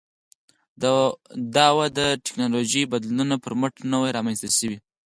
دا وده د ټکنالوژیکي بدلونونو پر مټ نه وه رامنځته شوې